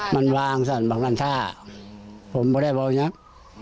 มันวางสันบางนั้นท่าผมไม่ได้บอกยัง